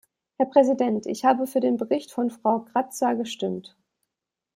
Herr Präsident, ich habe für den Bericht von Frau Kratsa gestimmt.